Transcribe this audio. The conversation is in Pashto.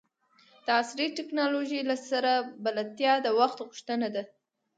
د عصري ټکنالوژۍ سره بلدتیا د وخت غوښتنه ده.